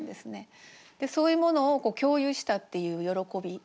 そういうものを共有したっていう喜び。